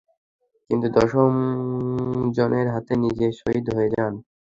কিন্তু দশম জনের হাতে নিজে শহীদ হয়ে যান।